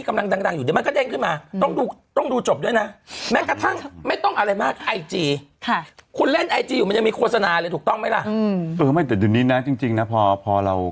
มันเด้งทุกนาทีนะ